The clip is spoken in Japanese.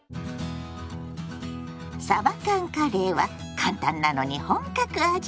「さば缶カレー」は簡単なのに本格味。